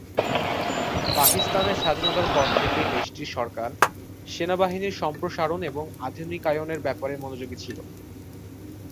পাকিস্তানের স্বাধীনতার পর থেকেই দেশটির সরকার সেনাবাহিনীর সম্প্রসারণ এবং আধুনিকায়নের ব্যাপারে মনোযোগী ছিলো।